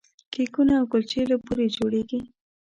کیکونه او کلچې له بوري جوړیږي.